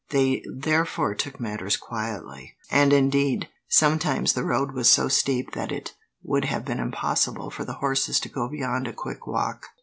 They therefore took matters quietly, and indeed, sometimes the road was so steep that it would have been impossible for the horses to go beyond a quick walk.